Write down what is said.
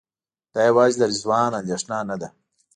دا یوازې د رضوان اندېښنه نه ده.